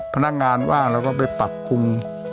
พนักงานว่างแล้วก็ไปปรับคุม